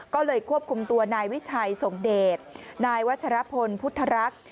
ก็เลยควบคุมตัวนายวิชัยสมเดชนายวัชรพลพุทธรักษ์